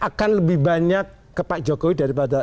akan lebih banyak ke pak jokowi daripada